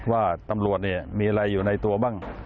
ว่าตำรวจเนี่ยมีอะไรอยู่ในตัวบ้าง